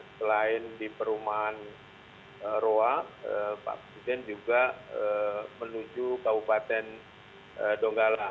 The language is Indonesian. selain di perumahan roa pak presiden juga menuju kabupaten donggala